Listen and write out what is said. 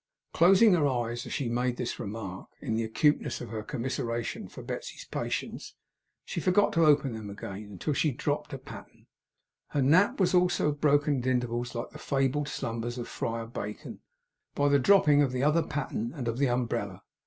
Closing her eyes as she made this remark, in the acuteness of her commiseration for Betsey's patients, she forgot to open them again until she dropped a patten. Her nap was also broken at intervals like the fabled slumbers of Friar Bacon, by the dropping of the other patten, and of the umbrella.